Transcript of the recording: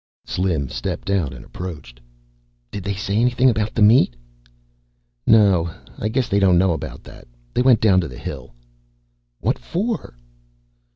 Slim stepped out and approached. "Did they say anything about the meat?" "No. I guess they don't know about that. They went down to the hill." "What for?"